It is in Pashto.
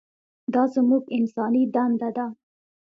دا زموږ انساني دنده ده.